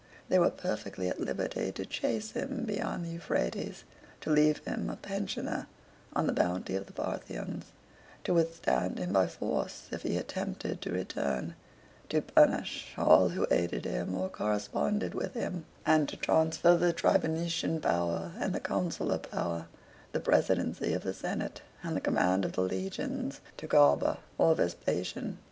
They were perfectly at liberty to chase him beyond the Euphrates, to leave him a pensioner on the bounty of the Parthians, to withstand him by force if he attempted to return, to punish all who aided him or corresponded with him, and to transfer the Tribunitian power and the Consular power, the Presidency of the Senate and the command of the Legions, to Galba or Vespasian.